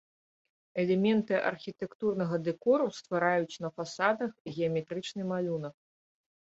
Элементы архітэктурнага дэкору ствараюць на фасадах геаметрычны малюнак.